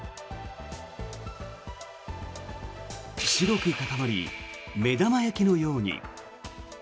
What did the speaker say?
白く固まり目玉焼きのように。